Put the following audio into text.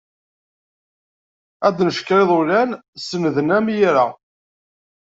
Ad ncekker iḍulan, senden am yira.